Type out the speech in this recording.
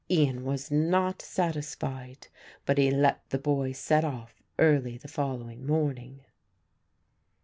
Ian was not satisfied, but he let the boy set off early the following morning.